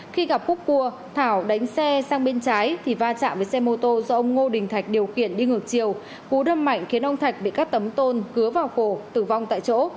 khi gặp cúc cua thảo đánh xe sang bên trái thì va chạm với xe mô tô do ông ngô đình thạch điều khiển đi ngược chiều cú đâm mạnh khiến ông thạch bị các tấm tôn cứa vào cổ tử vong tại chỗ